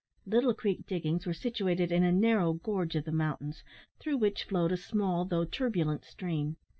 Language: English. Little Creek diggings were situated in a narrow gorge of the mountains, through which flowed a small though turbulent stream.